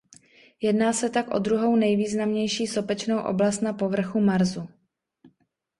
Jedná se tak o druhou nejvýznamnější sopečnou oblast na povrchu Marsu.